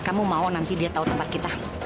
kamu mau nanti dia tahu tempat kita